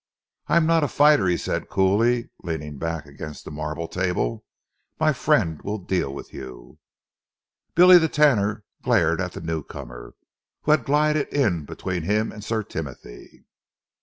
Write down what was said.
"I am not a fighter," he said coolly, leaning back against the marble table. "My friend will deal with you." Billy the Tanner glared at the newcomer, who had glided in between him and Sir Timothy.